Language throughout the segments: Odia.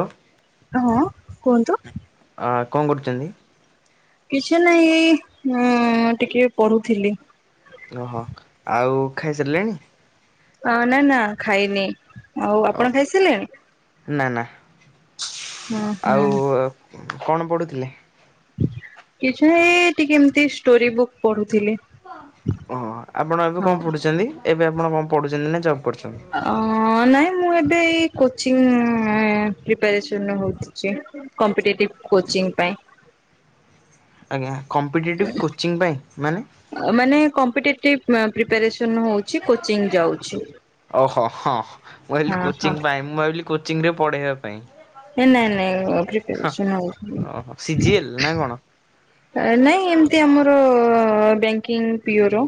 ଆଉ। ହଁ କୁହନ୍ତୁ। ଆ କଣ କରୁଚନ୍ତି? କିଛି ନାଇଁ ଏଇ ଉଁ ଟିକେ ପଢୁଥିଲି। ଅହ ଆଉ ଖାଇସାରିଲେଣି? ଅ ନା ନା ଖାଇନି ଆଉ ଆପଣ ଖାଇସାରିଲେଣି? ନା ନା, ହୁଁ ହୁଁ ଆଉ କଣ ପଢୁଥିଲେ? କିଛି ନାଇଁ ଟିକେ ଏମତି ଷ୍ଟୋରି ବୁକ୍ ପଢୁଥିଲି। ହଁ ଆପଣ ଏବେ ହଁ କଣ ପଢ଼ୁଛନ୍ତି, ଏବେ ଆପଣ କଣ ପଢ଼ୁଛନ୍ତି ନା ଜବ୍ କରୁଛନ୍ତି? ନାଇଁ ମୁଁ ଏବେ ଏଇ କୋଚିନ୍ ପ୍ରିପାରେସନ ହଉଛି। କମ୍ପିଟେଟିଭ କୋଚିଂ ପାଇଁ। ଆଜ୍ଞା, କମ୍ପିଟେଟିଭ୍ କୋଚିଂ ପାଇଁ ମାନେ? ମାନେ କମ୍ପେଟେଟିଭ୍ ପପ୍ରେପରେସନ ହଉଛି, କୋଚିଂ ଯାଉଛି। ଓହୋ ହ ମୁଁ ଭାବିଲି ହଁ ହଁ କୋଚିଂ ପାଇଁ, ମୁଁ ଭାବିଲି କୋଚିଂରେ ପଢେଇବା ପାଇଁ। ଏ ନାଇଁ ନାଇଁ ହଁ ପ୍ରିପରେଶନ ଓହୋ ସିଜିଏଲ ନା ହଉଛି। କଣ? ନାଇଁ ଏମତି ଆମର ବ୍ୟାଙ୍କିଙ୍ଗ ପିଓ ର।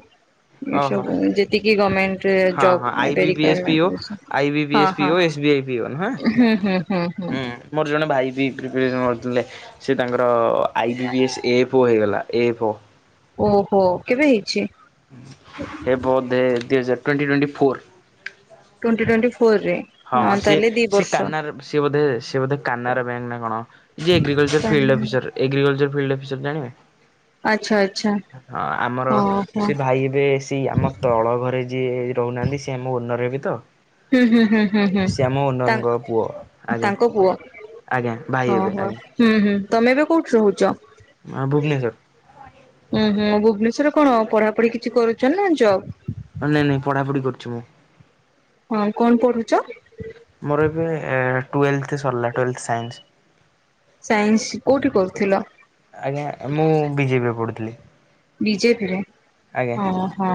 ଓହୋ ଏସବୁ ଯେତିକି ଗମେଣ୍ଟରେ ହଁ ଜବ୍ ହଁ I B B S PO requirement basic I B ବି ହଁ। S PO S B I PO ନୁହେଁ। ହଁ ହୁଁ ହୁଁ ହୁଁ ହୁଁ। ମୋର ଜଣେ ଭାଇ ବି ପ୍ରିପେରେସନ୍ କରୁଥିଲେ, ସେ ତାଙ୍କର ଆଇ ବି ବି ଏସ୍ ଏ ଫୋ ହୋଇଗଲା। ଏ ଫୋ। ଓହୋ କେବେ ହେଇଛି? ଏ ବୋଧେ ଦୁହଜାର twenty twenty four. Twenty twenty four ରେ। ହଁ, ସିଏ ସିଏ କାନାରା ସିଏ ବୋଧେ ସିଏ ବୋଧେ କାନାରା ବ୍ୟାଙ୍କ ନା କଣ? ଯିଏ agriculture field officer, agriculture field officer ଜାଣିବେ? ଆଚ୍ଛା ଆଚ୍ଛା ହଁ, ଆମର ଓହୋ ସିଏ ଭାଇ ହେବେ। ତି, ଆମ ତଳ ଘରେ ଯିଏ ରହୁନାହାନ୍ତି ସିଏ ଆମ ଓନର୍ ହେବ ତ ହୁଁ, ହୁଁ, ହୁଁ। ହୁଁ, ସେ ଆମ ହୁଁ, ତା ଓନରଙ୍କ ପୁଅ ଆଜ୍ଞା ତାଙ୍କ ପୁଅ, ହଁ, ଆଜ୍ଞା ଭାଇ ହେବେ ହଁ। ଆଜ୍ଞା ହୁଁ, ହୁଁ, ତମେ ଏବେ କୋଉଠି ରହୁଛ? ଭୁବନେଶ୍ୱର ଉଁ ହୁଁ, ଭୁବନେଶ୍ଵରରେ କଣ ପଢାପଢି କିଛି କରୁଛ ନା ଜବ୍? ଅଁ ନାଇଁ, ନାଇଁ, ପଢାପଢି କରୁଛି ମୁଁ। ହଁ, କଣ ପଢୁଛ? ମୋର ଏବେ ଟ୍ବେଲ୍ଥ ସରିଲା, ଟ୍ବେଲ୍ଥ ସାଇନ୍ସ। ସାଇନ୍ସ କୋଉଠି କରୁଥିଲ? ଆଜ୍ଞା, ମୁଁ ବିଜେପିରେ ପଢୁଥିଲି। ବିଜେପିରେ, ଆଜ୍ଞା ଅଁ ହଁ।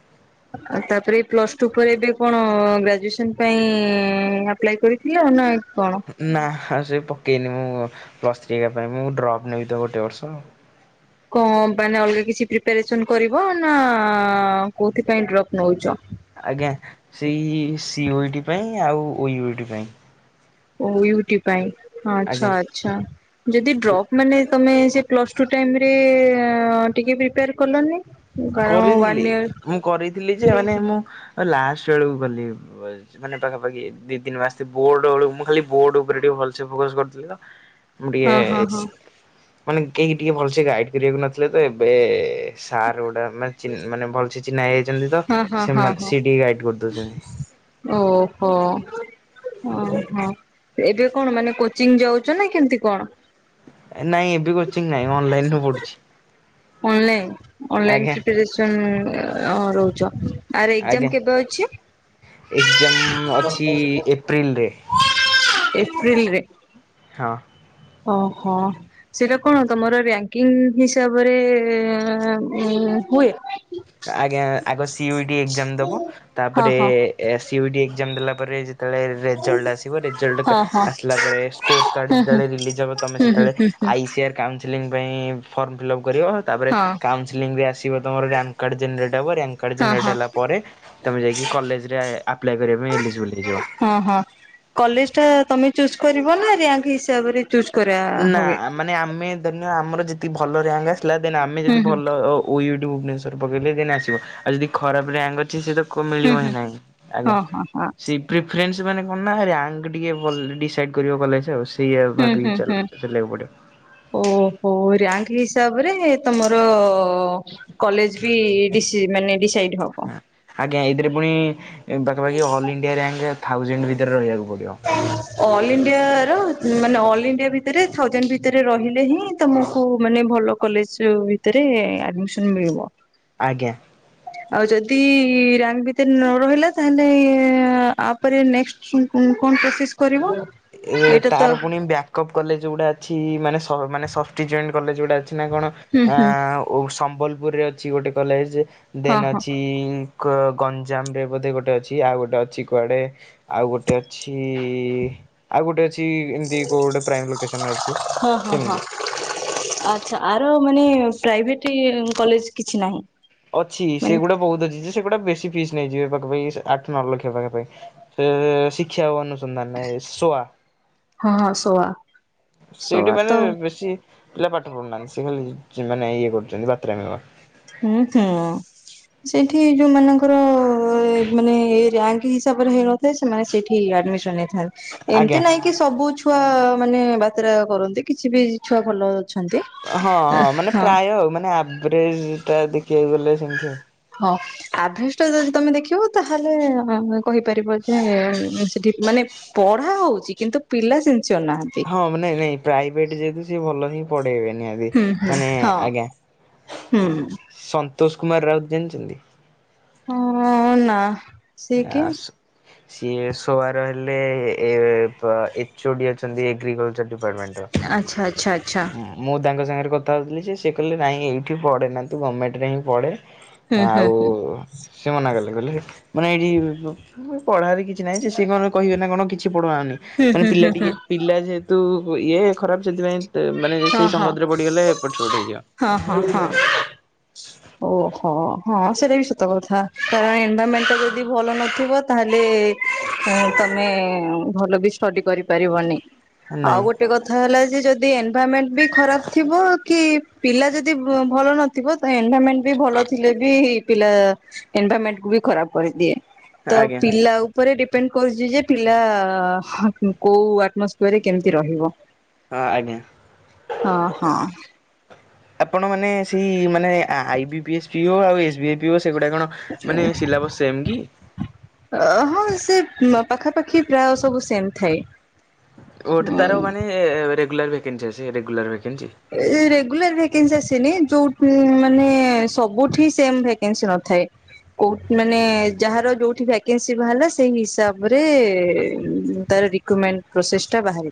[inaudible] ଆଉ ତାପରେ ପ୍ଲସଟୁ ପରେ ଏବେ କଣ ଗ୍ରାଜୁଏସନ୍ ପାଇଁ ଆପ୍ଲାଏ କରି ଥିଲ ନାଇଁ କଣ? ନା ଆଉ ସେ ପକେଇନି ମୁଁ ପ୍ଲସ୍ ଥ୍ରୀ ହେକା ପାଇଁ, ମୁଁ ଡ୍ରପ୍ ନେବି ତ ଗୋଟେ ବର୍ଷ। କଣ ମାନେ ଅଲଗା କିଛି ପ୍ରିପାରେସନ୍ କରିବ ନା କୋଉଥିପାଇଁ ଡ୍ରପ୍ ନଉଛ? ଆଜ୍ଞା, ସେଇ ସି ଓ ଇ ଟି ପାଇଁ ଆଉ ଓ ଇ ଓ ଟି ପାଇଁ। ଓ ୟୁ ଇ ଟି ପାଇଁ ହଁ, ଆଚ୍ଛା, ଆଜ୍ଞା। ଆଚ୍ଛା। ଯଦି ଡ୍ରପ୍ ମାନେ ତମେ ସେ ପ୍ଲସ୍ଟୁ ଟାଇମରେ ଟିକେ ପ୍ରିପେଆର କଲନି? କାରଣ ୱାନ ଇୟର କରେଇଥିଲି ଯେ ମାନେ ମୁଁ ଲାଷ୍ଟ ବେଳକୁ କଲି। ସେ ମାନେ ପାଖାପାଖି ଦି ତିନି ମାସେ ବୋର୍ଡବେଳକୁ ମୁଁ ଖାଲି ବୋର୍ଡ ଉପରେ ଟିକେ ଭଲସେ ଫୋକସ କରିଥିଲି ତ ମୁଁ ହଁ ହଁ ଟିକେ ମାନେ କେହି ଟିକେ ଭଲସେ ଗାଇଡ କରିବାକୁ ନଥିଲେ ତ ଏବେ ସାର୍ ଗୋଟା ମାନେ ଚି ମାନେ ଭଲସେ ଚିହ୍ନା ହେଇଯାଇଛନ୍ତି ତ ହଁ ହଁ ହଁ ସେମାନେ ସିଏ ଟିକେ ଗାଇଡ କରିଦଉଛନ୍ତି। ଓହୋଃ, ଅଁ ହଁ, ଏବେ କଣ ମାନେ କୋଚିଂ ଯାଉ ଯାଉଛ ନା କେମିତି କଣ? ନାଇଁ, ଏବେ କୋଚିଂ ନାଇଁ ମୁଁ ଅନଲାଇନରୁୁ ପଢ଼ୁଛି। ଅନଲାଇନ୍, ଅନଲାଇନ୍ ପ୍ରିପାରେସନ ଅଁ ରହୁଛ? ଆର ଆଜ୍ଞା। ଏକ୍ଜାମ କେବେ ଅଛି? ଏକ୍ଜାମ ଅଛି ଏପ୍ରିଲରେ ଏପ୍ରିଲ ରେ? ହଁ। ଓହଃ! ସେଇଟା କଣ ତମର ରାଙ୍କିଙ୍ଗ୍ ହିସାବରେ ହୁଏ? ଆଜ୍ଞା, ଆଗ C U E T exam ଦବ ହଁ ତାପରେ ହଁ ଏ C U E T exam ଦେଲା ପରେ ଯେତେବେଳେ ରେଜଲ୍ଟ ଆସିବ ରେଜଲ୍ଟ ହଁ ହଁ ଆସିଲା ପରେ ସ୍କୋର୍ କାର୍ଡ଼ ଯେତେବେଳେ ରିଲିଜ ହବ ତମେ ହୁଁ ହୁଁ ସେତେବେଳେ ହୁଁ ହୁଁ ଆଇ ସି ଆର୍ କାଉନସେଲିଂ ପାଇଁ ଫର୍ମ ଫିଲ୍ଅପ୍ କରିବ ତାପରେ ହଁ କାଉନସେଲିଂ ବି ଆସିବ ତମର ରା କାର୍ଡ଼ ଜେନେରେଟ ହବ ରାଙ୍କ ହଁ ଜେନେରେଟ ହଁ ହେଲା ପ ପରେ ତମେ ଯାଇକି କଲେଜରେ ଆପ୍ଲାଏ କରିବା ପାଇଁ ଏଲିଯିବୁଲ୍ ହେଇଯିବ। ହଁ, ହଁ, କଲେଜ ଟା ତମେ ଚୁଜ୍ କରିବ ନା ରାଙ୍କ ହିସାବରେ ଚୁଜ୍ କରା ନା ହୁଏ? ମାନେ ଆମେ ଧରି ନିଅ ଆମର ଯଦି ଭଲ ରାଙ୍କ୍ ଆସିଲା ଦେନ୍ ଆମେ ହୁଁ ଯଦି ହୁଁ ଭଲ ଓ ୟୁଟି ଭୁବନେଶ୍ୱର ପକେଇଲେ ଦେନେ ଆସିବ ଆଉ ଯଦି ଖରାପ ଆ୍ୟାଙ୍ଗ ଅଛି ସେତ କୁ ହୁଁ ମିଳିବ ହିଁ ହୁଁ ନାଇଁ ଆଜ୍ଞା ହଁ ହଁ ହଁ ସି ପ୍ରିଫରେନ୍ସ ମାନେ କଣ ନା ର୍ୟାଙ୍କ୍ ଟିକେ ଭ ଡିସାଇଡ଼୍ କର କଲେଜ୍ ଆଉ ସେଇଆ ହୁଁ ଭାବିକି ହୁଁ ଚାଲ। ହୁଁ। ଚାଲିବାକୁ ପଡ଼ିବ। ଓହୋ ର୍ୟାଙ୍କ ହିସାବରେ ତମର କଲେଜ ବି ଡିସି ମାନେ ଡ଼ିସାଇଡ଼ ହ ହଁ ଆଜ୍ଞା ଏଇଥିରେ ପୁଣି ପାଖାପାଖି ଅଲ ଇଣ୍ଡିଆ ର୍ୟାଙ୍କ ଥାଉଜେଣ୍ଡ ଭିତରେ ରହିବାକୁ ପଡ଼ିବ। [inaudible] ଅଲ୍ ଇଣ୍ଡିଆର ମାନେ ଅଲ୍ ଇଣ୍ଡିଆ ଭିତରେ ଥାଉଜେଣ୍ଡ ଭିତରେ ରହିଲେ ହିଁ ତମକୁ ମାନେ ଭଲ କଲେଜ୍ ଭିତରେ ଆଡ଼ିମିସନ୍ ମିଳିବ। ଆଜ୍ଞା। ଆଉ ଯଦି ରାଙ୍ଗ ଭିତରେ ନରହିଲା ତାହେଲେ ଆପରେ ନେକ୍ସଟ ଉଁ କଣ ପ୍ରୋସେସ କରିବ? ଏ ଏଇଟା ତ ତାର ପୁଣି ବ୍ୟା କପ୍ କଲେଜ୍ ଗୁଡ଼ା ଅଛି ମାନେ ମାନେ ସ ସ୍ଫଟିକ ଜୁଏଣ୍ଟ କଲେଜ୍ ଗୁଡ଼ା ଅଛି ନା କଣ ହୁଁ ହୁଁ ଆଁ ଓ ସମ୍ବଲପୁରରେ ଅଛି ଗୋଟେ କଲେଜ୍ ହଁ ଦେନ୍ ହଁ। ଅଛି ଗ ଗଞ୍ଜାମରେ ବୋଧେ ଗୋଟେ ଅଛି ଆଉ ଗୋଟେ ଅଛି କୁଆଡ଼େ ଆଉ ଗୋଟେ ଅଛି ଆଉ ଗୋଟେ ଅଛି ଏମିତି କୋଉ ଗୋଟେ ପ୍ରାଇମ୍ ଲୋକେସନ୍ ରେ ଅଛି ହଁ ହଁ ହଁ ସେମିତି। ଆଚ୍ଛା ଆର ମାନେ ପ୍ରାଇଭେଟ୍ କଲେଜ୍ କିଛି ନାହିଁ? ଅଛି ମାନେ ସେଗୁଡ଼ା ବହୁତ୍ ଅଛିଯେ ସେଗୁଡା ବେଶୀ ଫିସ୍ ନେଇଯିବେ ପାଖା ପାଖି ଆଠ ନଅ ଲକ୍ଷ ପାଖ ପାଇଁ ସେ ଶିକ୍ଷା ଓ ଅନୁସନ୍ଧାନ ନାହି ଶୋଆ ହଁ ହଁ ସୋଆ। ସେଇଠି ସୋଆ ତ ମାନେ ବେଶୀ ପିଲା ପାଠ ପଢ଼ୁନାହାନ୍ତି ସେ ଖାଲି ମାନେ ଇଏ କରୁଚନ୍ତି ବାତରାମି। ହୁଁ ହୁଁ ସେଇଠି ଯୋଉମାନଙ୍କର ମାନେ ରାଙ୍କ ହିସାବରେ ହେଇନଥାଏ ସେମାନେ ସେଠି ଆଡ଼ିମିସନ୍ ନେଇଥାନ୍ତି ଆଜ୍ଞା। ଏମତି ନାଇଁ କି ସବୁ ଛୁଆ ମାନେ ବାତ୍ରା କରନ୍ତି କିଛିବି ଛୁଆ ଭଲ ଅଛନ୍ତି। ହଁ ହଁ ମାନେ ପ୍ରାୟ ଆଉ ମାନେ ଆଭରେଜଟା ଦେଖିବାକୁ ଗଲେ ସେମିତି ଆଉ। ହଁ ଆଭ୍ରେଜଟା ଯଦି ତମେ ଦେଖିବ ତାହେଲେ କହିପାରିବଯେ ଉଁ ସେଠି ମାନେ ପଢ଼ା ହଉଚି କିନ୍ତୁ ପିଲା ସିନସିୟର ନାହାନ୍ତି। ହଁ ମାନେ ନାଇଁ ପ୍ରାଇଭେଟ୍ ଯେହେତୁ ସେ ଭଲହିଁ ପଢ଼େଇବେ ନିହା ହୁଏ ହୁଁ ହୁଁ ମାନେ ହଁ ଆଜ୍ଞା ହୁଁ ସନ୍ତୋଷ କୁମାର ରାଉତ ଜାଣିଚନ୍ତି? ହଁ ଉ ନାଁ। ଏହାସ ସିଏ ସୋଆର ହେଲେ ଏ ପା ଏ ଏଚ୍ ଓ ଡି ଅଛନ୍ତି ଏଗ୍ରିକଲଚରଡ଼ି ଆଚ୍ଛା ଆଚ୍ଛା ଆଚ୍ଛା। ମୁଁ ତାଙ୍କ ସାଙ୍ଗରେ କଥା ହଉଥିଲିଯେ ସେ କହିଲେ ନାଇଁ ଏଇଠି ପଢ଼େନା ତୁ ଗଭର୍ଣ୍ଣମେଣ୍ଟରେ ହିଁ ପଢ଼େ। ହୁଁ ହୁଁ ଆଉ ହୁଁ। ସେମନା କଲେ କହିଲେ ମାନେ ଏଇଠି ପଢାରେ କିଛି ନାହିଁଯେ ସିଏ କଣ କହିବେନା କଣ କିଛି ପଢାହଉନି। ହୁଁ ମାନେ ହୁଁ ପିଲା ହୁଁ ହୁଁ ଟିକେ ପିଲା ଯେହେତୁ ଇଏ ଖରାପ୍ ସେଥିପାଇଁ ମାନେ ସେଇ ସଙ୍ଗତରେ ହଁ ପଡ଼ିଗଲେ ଏପଟସେପଟ ହେଇଯିବ। ହଁ ହଁ ହଁ। ଓହୋ ହଁ ସେଇଟାବି ସତ କଥା କାରଣ ଏନଭାରମେଣ୍ଟ ଯଦି ଭଲ ନଥିବ ତାହେଲେ ତମେ ଭଲବି ଷ୍ଟଡି କରିପାରିବନି। ଆଉ ନାଇଁ ଗୋଟେ କ କଥା ହେଲା ଯେ ଯଦି ଏନଭାଇରମେଣ୍ଟ ବି ଖରାପ ଥିବ କି ପିଲା ଯଦି ଭଲ ନଥିବ। ଏନରମେଣ୍ଟ ବି ଭଲ ଥିଲେ ବି ପିଲା ଏନଭରମେଣ୍ଟକୁ ବି ଖରାପ କରିଦିଏ। ମାନେ ତ ଆଜ୍ଞା ପିଲା ଉପରେ ଡିପେଣ୍ଡ କରୁଛି ଯେ ପିଲା କୋଉ ଆଟମସଫିୟରରେ କେମିତି ରହିବ? ହଁ ଆଜ୍ଞା। ହଁ ହଁ ଆପଣମାନେ ସେଇ ମାନେ I B P S P ହେ ଆଉ ଏସ୍ ବି ଆଇ ପିଓ ସେଗୁଡ଼ାକ କଣ? ହ ମାନେ ସିଲାବସ୍ ସେମ୍ କି? ଅ ହଁ ସେ ପାଖାପାଖି ପ୍ରାୟ ସବୁ ସେମ୍ ଥାଏ। ଗୋଟେ ତାର ମାନେ ରେଗୁଲାର ଭେକେନ୍ସି ଅଛି ରେଗୁଲାର ଭେକେନ୍ସି ରେଗୁଲାର ଭକେନ୍ସି ଆସିନି ଯୋଉ ମାନେ ସବୁଠି ସେମ ଭେକେନ୍ସି ନଥାଏ। ଉ ମାନେ ଯାହାର ଯୋଉଠି ଭକେନ୍ସି ବାହାରିଲା ସେଇ ହିସାବରେ ତାର ରିକିମେଣ୍ଟ ପ୍ରୋସେସଟା ବାହାରି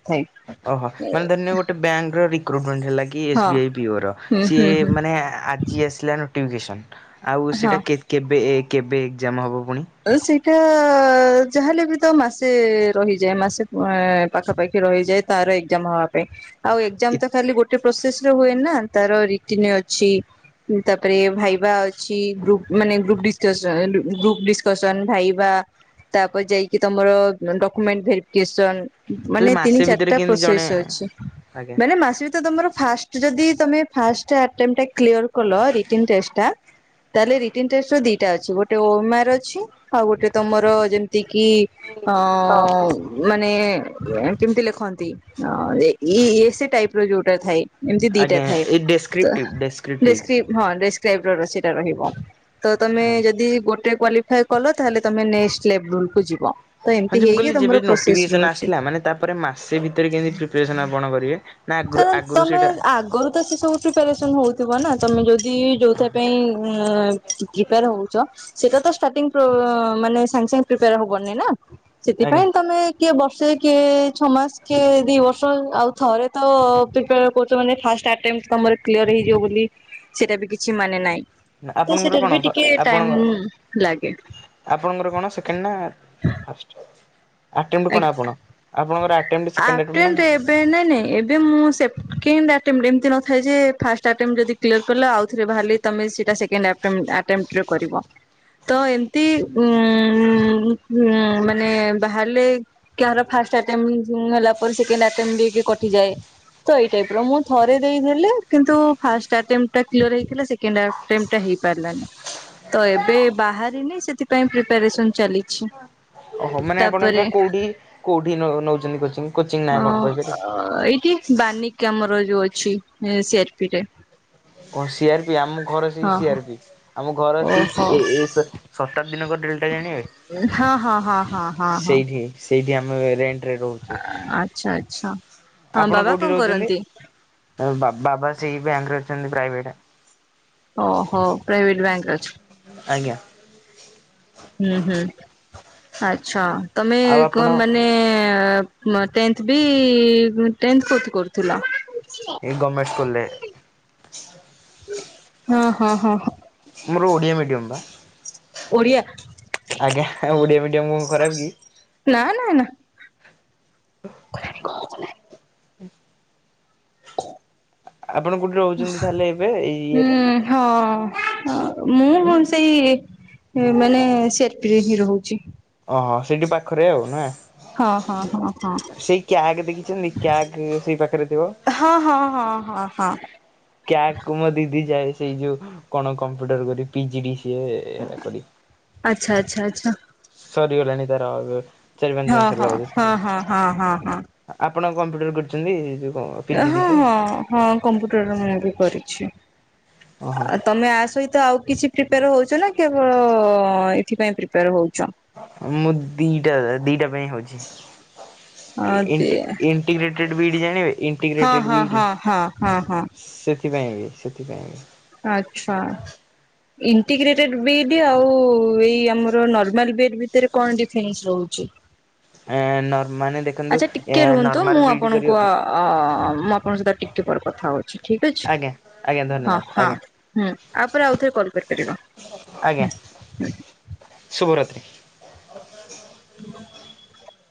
ଓହୋ ମାନେ ଧରିନିଅ ଗୋଟେ ବ୍ୟାଙ୍କର ରିକ୍ରୁଟମେଣ୍ଟ ହେଲା କି ଏସ୍ ହଁ ବି ଆଇ ପିଓର ହୁଁ ସିଏ ହୁଁ ହୁଁ ମାନେ ଆଜି ଆସିଲାଣି। ନୋଟିଫିକେସନ୍ ଆଉ ହଁ। ସେଇଟା କେବେ କେବେ ଏକ୍ଜାମ ହେବ ପୁଣି? ସେଇଟା ଯାହାଲେ ବି ତ ମାସେ ରହିଯାଏ ମାସେ ପାଖାପାଖି ରହିଯାଏ। ତାର ଏକ୍ଜାମ ହବା ପାଇଁ ଆଉ ଏକ୍ଜାମ ଏ ତ ଖାଲି ଗୋଟେ ପ୍ରୋସେସ ହୁଏନି ନା ତାର ରିଟିନ ଅଛି ତାପରେ ଭାଇବା ଅଛି ଗ୍ରୁପ ମାନେ ଗ୍ରୁପ ଗ୍ରୁପଡି ଡିଷ୍କସନ ଭାଇବା ତାପରେ ଯାଇକି ତମର ଡକୁମେଣ୍ଟ ଭେରିଫିକେସନ। ତାହେଲେ ମାନେ ତିନି ମାସେ ଭିତରେ ଚାରିଟା କେମିତି ଜଣେ ପ୍ରୋସେସ୍ ଅଛି ଆଜ୍ଞା ମାନେ ମାସେ ଭିତରେ ତମର ଫାଷ୍ଟ ଯଦି ତମେ ଫାଷ୍ଟ ଆଟେଣ୍ଡଟା କ୍ଲିୟର କଲ ମାନେ ରିଟିନ ଟେଷ୍ଟ ଟା ତାହେଲେ ରଟିନ୍ ଟେଷ୍ଟ ର ଦିଟା ଅଛି ଗୋଟେ ଓମର ଅ ଆଉ ଗୋଟେ ତମର ଯେମିତି କିି ଅ ମାନେ କେମିତି ଲେଖନ୍ତି ଏ ସେ ଟାଇପ ର ଯୋଉଟା ଥାଏ। ଏମିତି ଦିଟା ଆଜ୍ଞା ଥାଏ ଏଇ ତ ଡେସ୍କ୍ରିପ୍ଟିଭ୍ ଡେସ୍କ୍ରିପ୍ଟିଭ୍ ବେଶକ ହଁ ଡେସକ୍ରାଇବ ସେଇଟା ରହିବ ତ ତମେ ଆଜ୍ଞା। ଯଦି ଗୋଟେ କ୍ୱା କଲ ତାହଲେ ତମେ ନେକ୍ସଟ ଲେବଲକୁୁ ଯିବ ତ ହଁ ଯେ ଏମିତି ମୁଁ କହିଲି ହେଇକି ଯେବେ ତମର ପ୍ରୋସେସ ନୋଟିଫିକେସନ୍ ରହୁଛି। ଆସିଲା ମାନେ ତାପରେ ମାସେ ଭିତରେ କେମିତି ପ୍ରିପରେସନ ଆପଣ କରିବେ? ନା ଆଗରୁ କାର ଆଗରୁ ତମେ ସେଇଟା ଆଗରୁ ତ ସେ ସବୁ ପ୍ରିପାରେସନ୍ ହେଉଥିବ ନା ତମେ ଯଦି ଯଉଁଥି ପାଇଁ ପ୍ରିପେୟାର ହେଉଛ। ସେଇଟା ତ ଷ୍ଟାର୍ଟିଂ ମାନେ ସାଙ୍ଗେ ସାଙ୍ଗେ ପ୍ରିପେୟାର ହବନିଁ ନା? ସେଥିପାଇଁ ଆଜ୍ଞା ତମେ କିଏ ବର୍ଷେ କିଏ ଛଅ ମାସ କିଏ ଦି ବର୍ଷ ଆଉ ଥରେ ତ ପ୍ରିପ୍ୟାର କରୁଛ ମାନେ ଫାଷ୍ଟ ଆଟେଣ୍ଟ ଟ ତମର କ୍ଲିୟର ହେଇଯିବ ବୋଲି। ସେଟା ବି କିଛି ମାନେ ନାହିଁ ତ ଆପଣଙ୍କର ସେଟାରେ କଣ ବି ଟିକେ ଟାଇମ ଆପଣଙ୍କର ଲାଗେ। ଆପଣଙ୍କର କଣ ସେକେଣ୍ଡ ନା ଫାଷ୍ଟ ଆଟେମ୍ନେଣ୍ଟ କଣ ଆପଣ ଆପଣଙ୍କର ସେକେଣ୍ଡ ଆଟେମ୍ନେଣ୍ଟ। ଏ ନାଇଁ ନାଇଁ ଏବେ ମୁଁ ସେକେଣ୍ଡ ଏମତି ନଥାଏ ଯେ ଫାଷ୍ଟ ଆଟେମଟ ଯଦି କ୍ଲିୟର କଲେ ଆଉଥରେ ବାହାରିଲି ତମେ ସେଇଟା ସେକ ଆଟେମଟ କରିବ। ତ ଏମତି ଉ ମାନେ ବାହାରିଲେ। କାହାର ଫାଷ୍ଟ ଆଟେମଟ ହେଲା ପରେ ସେକେଣ୍ଡ ଆଟେମ୍ନେଣ୍ଟ କଟିଯାଏ। ତ ଏଇ ଟାଇପ ର ମୁଁ ଥରେ ଦେଇି କିନ୍ତୁ ଫାଷ୍ଟ ଆଟେମ୍ଟା କ୍ଲିୟର ହେଇଥିଲା ସେକଣ୍ଡ ସେକେଣ୍ଡ ଟା ହେଇପାରିଲାନି। ତ ଏବେ ବାହାରିନି ସେଥିପାଇଁ ପ୍ରିପାରେସନ ଚାଲିଛି। ଓହ ମାନେ ଆପଣ ଏଟା ତାପରେ କୋଉଠି କୋଉଠି ନଉଛନ୍ତି କୋଚିଂ। ନାଁ ଅ କଣ କହିପାରିବେ ଏଇଠି ବାନିକ ଆମର ଯୋଉ ଅଛି ସିଆରପିରେ। କଣ ସିଆରପି ଆମ ଘର ସେଇ ସିଆରପି ଆମ ଘର ଓହୋ ସେଇ ଏ ଶତାକ୍ଦିନ କ ଡ୍ରିଲ। ହଁ ହଁ ହଁ ହଁ ହଁ ହଁ। ସେଇଠି ସେଇଠି ଆମେ ରେଣ୍ଟରେ ରହୁ ଆଚ୍ଛା ଆଚ୍ଛା। ହଁ ଆପଣ ବାବା କୋଉଠି କଣ ରହୁଛନ୍ତି? କରନ୍ତି? ତ ବାବା ସେଇ ବ୍ୟାଙ୍କରେ ଅଛନ୍ତି ପ୍ରାଇବେଟ। ଓହୋ ପ୍ରାଇଭେଟ ବ୍ୟାଙ୍କରେ ଅଛି। ଆଜ୍ଞା। ହୁଁ ହୁଁ ଆଚ୍ଛା ତମେ ଆଉ ଆପଣ କଣ ମାନେ ଟେନ୍ଥ ବି ଟେନ୍ଥ କୋଉଠି କରୁଥିଲ? ଏ ଗମେଣ୍ଟ ସ୍କୁଲରେ। ହଁ ହଁ ହଁ। ମୋର ଓଡ଼ିଆ ମିଡ଼ିୟମ୍ ବା। ଓଡ଼ିଆ। ଆଜ୍ଞା ଓଡିଆ ମିଡିୟମ କଣ ଖରାପ କି? ନା ନା ନା। [unintelligible] [inaudible] ଆପଣ କୋଉଠି ରହୁଛନ୍ତି ତାହେଲେ ଏବେ ଏଇ ହୁଁ ଇଏରେ? ହଁ ମୁଁ ସେଇ ମୁଁ ମାନେ ସିଆରପିରେ ହିଁ ରହୁଛି। ଅହ ସେଇଠି ପାଖରେ ଆଉ ନା। ହଁ ହଁ ହଁ ହଁ ସେଇ କ୍ୟାଗ ଦେଖିଛନ୍ତି କ୍ୟାଗ ସେଇ ପାଖରେ ଥିବ। ହଁ ହଁ ହଁ ହଁ ହଁ। କ୍ୟାଗକୁ ମୋ ଦିଦି ଯାଏ ସେଇ ଯୋଉ କଣ କମ୍ପ୍ୟୁଟର କରି ପିଜିଡି ସିଏ କରି। ଆଚ୍ଛା ଆଚ୍ଛା ଆଛା। ସରିଗଲାଣିି ତାର ଏବେ। ହଁ ହଁ ହଁ ହଁ ହଁ ହଁ ହଁ। ଆପଣ କମ୍ପ୍ୟୁଟର କରିଛନ୍ତି ଯୋଉ ପିଜି ଡି ହଁ ସିଏ। ହଁ ହଁ କମ୍ପ୍ୟୁଟର ମୁଁ ବି କରିଛି। ଅହ। ଆଉ ତମେ ଆ ସହିତ ଆଉ କିଛି ପ୍ରିପେୟାର ହଉଛ ନା କେବଳ ଏଇଥି ପାଇଁ ପ୍ରିପେୟାର ହଉଛ। ମୁଁ ଦିଟା ଦିଟା ପାଇଁ ହଉଛି ହଁ ଦେ ଇଣ୍ଟି ଇ ଇଣ୍ଟିଗ୍ରେଟେଡ ବି ଇଡି ଜାଣିବେ ହଁ ଇଣ୍ଟିଗ୍ରେଟେଡ ହଁ ବି ଇ ଡି। ହଁ ହଁ ହଁ ହଁ ସେଥିପାଇଁ ବି ସେଥିପାଇଁ ବି। ଆଚ୍ଛା। ଇଣ୍ଟିଗ୍ରେଟେ ବି ଇ ଡି ଆଉ ଏଇ ଆମର ନର୍ମାଲ ବି ଇ ଡି ଭିତରେ କଣ ଡିଫରେନ୍ସ ରହୁଛି। ଏ ନର୍ମାଲ ଦେଖ ଦେଖନ୍ତୁ ଆଚ୍ଛା ଏ ଟିକେ ରୁହନ୍ତୁ ମୁଁ ଆପଣଙ୍କୁ ଆ ଆ ମୁଁ ଆପଣଙ୍କ ସହିତ ଟିକେ ପରେ କଥା ହଉଛି ଠିକ ଅଛି। ଆଜ୍ଞା ଆଜ୍ଞା ହଁ ଧନ୍ୟବାଦ ହଁ ଆଜ୍ଞା ହୁଁ ଆ ପରେ ଆଉଥରେ କଲ କରିପାରିବ ହଁ। ଶୁଭ ରାତ୍ରି। [inaudible]